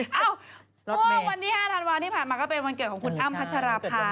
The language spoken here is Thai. เมื่อวันที่๕ธันวาที่ผ่านมาก็เป็นวันเกิดของคุณอ้ำพัชราภา